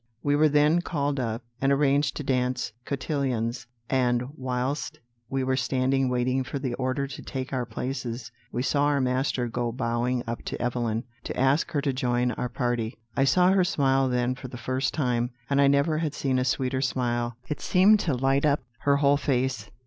"We were then called up, and arranged to dance cotillons, and whilst we were standing waiting for the order to take our places, we saw our master go bowing up to Evelyn, to ask her to join our party. I saw her smile then for the first time, and I never had seen a sweeter smile; it seemed to light up her whole face.